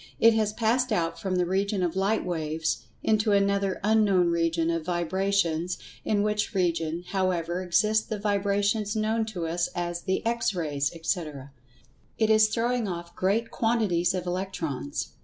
It has passed[Pg 132] out from the region of light waves, into another "Unknown Region" of Vibrations, in which region, however, exist the vibrations known to us as the "X Rays," etc. It is throwing off great quantities of Electrons.